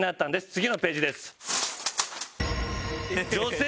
次のページです。